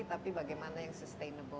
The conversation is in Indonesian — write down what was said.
tapi bagaimana yang sustainable